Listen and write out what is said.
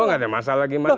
oh nggak ada masalah gimana